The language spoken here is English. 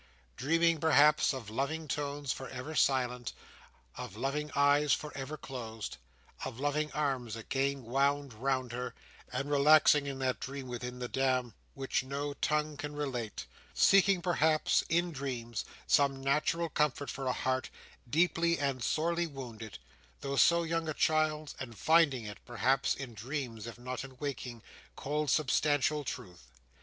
Dreaming, perhaps, of loving tones for ever silent, of loving eyes for ever closed, of loving arms again wound round her, and relaxing in that dream within the dam which no tongue can relate. Seeking, perhaps—in dreams—some natural comfort for a heart, deeply and sorely wounded, though so young a child's: and finding it, perhaps, in dreams, if not in waking, cold, substantial truth.